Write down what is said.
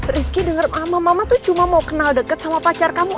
rizky denger sama mama tuh cuma mau kenal deket sama pacar kamu